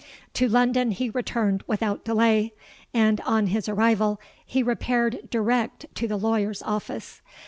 To London he returned without delay; and, on his arrival, he repaired direct to the lawyer's office.